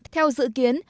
theo dự kiến